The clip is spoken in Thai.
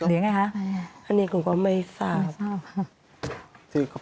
อันนี้ก็ไม่ทราบ